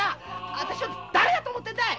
私をだれだと思ってるんだい！